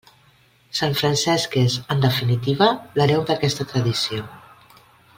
Sant Francesc és, en definitiva, l'hereu d'aquesta tradició.